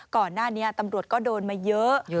ก่อนหน้านี้ตำรวจก็โดนมาเยอะ